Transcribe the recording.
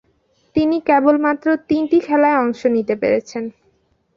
তিনি কেবলমাত্র তিনটি খেলায় অংশ নিতে পেরেছেন।